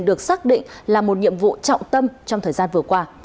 được xác định là một nhiệm vụ trọng tâm trong thời gian vừa qua